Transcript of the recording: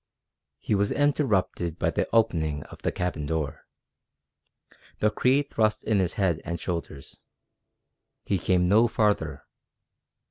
He was interrupted by the opening of the cabin door. The Cree thrust in his head and shoulders. He came no farther.